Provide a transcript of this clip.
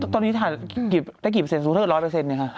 ตอนนี้ถ่ายได้กี่เปอร์เซ็นต์สูงเท่าไหร่๑๐๐เนี่ยคะ